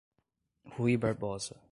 Ruy Barbosa